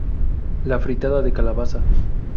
La fritada de calabaza.